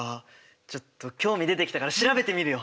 ちょっと興味出てきたから調べてみるよ！